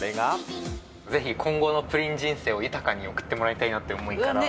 ぜひ、今後のプリン人生を豊かに送ってもらいたいなという思いから。